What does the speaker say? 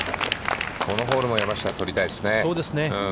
このホールも山下は取りたいですね。